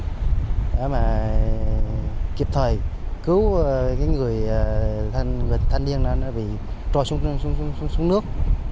để mà kịp thời cứu những người thanh niên bị trôi xuống nước